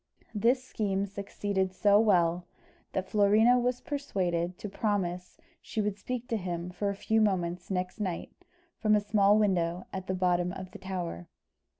This scheme succeeded so well, that Florina was persuaded to promise she would speak to him for a few moments next night, from a small window at the bottom of the tower.